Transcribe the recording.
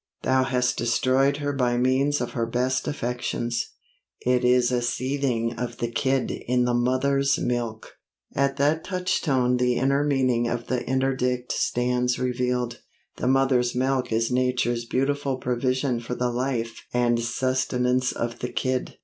Thou hast destroyed her by means of her best affections. It is a seething of the kid in the mother's milk!' At that touchstone the inner meaning of the interdict stands revealed. The mother's milk is Nature's beautiful provision for the life and sustenance of the kid.